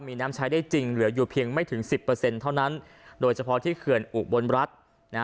มีน้ำใช้ได้จริงเหลืออยู่เพียงไม่ถึง๑๐เท่านั้นโดยเฉพาะที่เขื่อนอุบลรัฐนะ